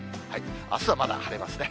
あすはまだ晴れますね。